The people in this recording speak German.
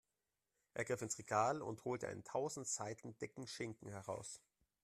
Er griff ins Regal und holte einen tausend Seiten dicken Schinken heraus.